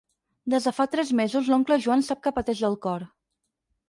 Des de fa tres mesos l'oncle Joan sap que pateix del cor.